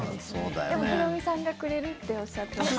でもヒロミさんがくれるとおっしゃってました。